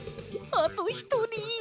あとひとり。